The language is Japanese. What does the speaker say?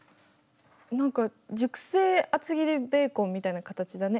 何か熟成厚切りベーコンみたいな形だね。